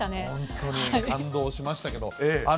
本当に感動しましたけど。